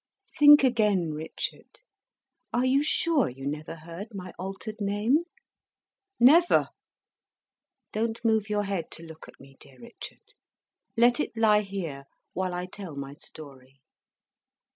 "Think again, Richard. Are you sure you never heard my altered name?" "Never!" "Don't move your head to look at me, dear Richard. Let it lie here, while I tell my story.